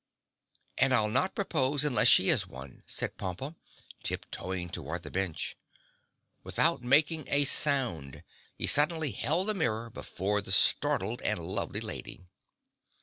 "And I'll not propose unless she is the one," said Pompa, tip toeing toward the bench. Without making a sound he suddenly held the mirror before the startled and lovely lady.